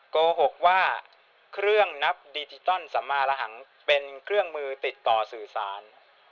โกหกว่าเครื่องนับดิจิตอลสัมมาระหังเป็นเครื่องมือติดต่อสื่อสาร